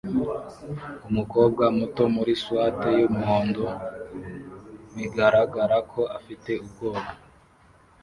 Umukobwa muto muri swater yumuhondo bigaragara ko afite ubwoba